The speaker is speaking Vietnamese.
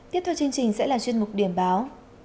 tiếp theo chương trình sẽ là chuyên mục điểm báo